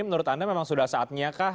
menurut anda memang sudah saatnya kah